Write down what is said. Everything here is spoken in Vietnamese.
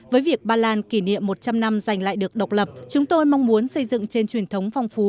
với việc ba lan kỷ niệm một trăm linh năm giành lại được độc lập chúng tôi mong muốn xây dựng trên truyền thống phong phú